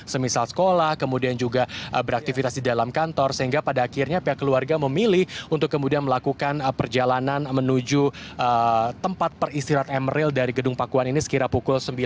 semisal sekolah kemudian juga beraktivitas di dalam kantor sehingga pada akhirnya pihak keluarga memilih untuk kemudian melakukan perjalanan menuju tempat peristirahat emeril dari gedung pakuan ini sekira pukul sembilan